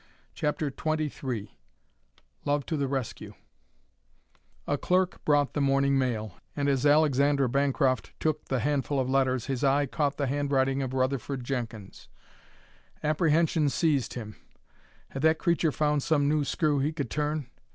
CHAPTER XXIII LOVE TO THE RESCUE A clerk brought the morning mail, and as Alexander Bancroft took the handful of letters, his eye caught the handwriting of Rutherford Jenkins. Apprehension seized him. Had that creature found some new screw he could turn?